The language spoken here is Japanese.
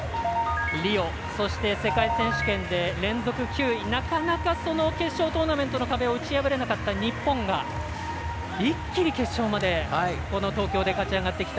リオ、そして世界選手権で連続９位、なかなか決勝トーナメントの壁を打ち破れなかった日本が一気に決勝までこの東京で勝ち上がってきた。